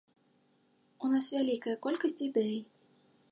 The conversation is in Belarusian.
У нас вялікая колькасць ідэй.